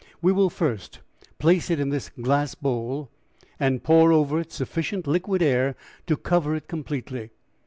"We will first place it in this glass bowl, and pour over it sufficient liquid air to cover it completely.